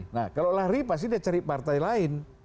nah kalau lari pasti dia cari partai lain